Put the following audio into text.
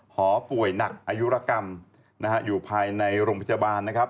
หอป่วยหนักอายุรกรรมนะฮะอยู่ภายในโรงพยาบาลนะครับ